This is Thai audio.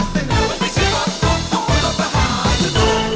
โปรดติดตามตอนต่อไป